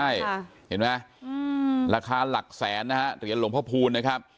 ใช่เห็นไหมราคาหลักแสนนะฮะเหรียญหลวงพระภูมินะครับ